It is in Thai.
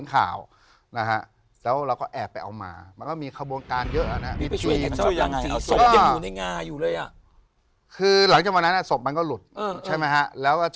แล้วเจ้าของเขาจับเอาไว้แล้ว